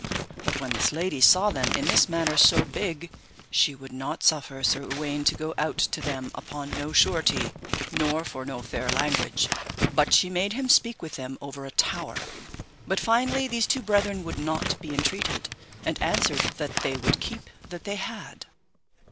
But when this lady saw them in this manner so big, she would not suffer Sir Uwaine to go out to them upon no surety nor for no fair language, but she made him speak with them over a tower, but finally these two brethren would not be entreated, and answered that they would keep that they had.